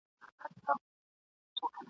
زما یې د شبقدر په ماښام قلم وهلی ..